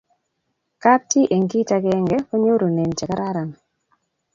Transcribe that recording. kap chi eng kit akenge ko nyorune che kararan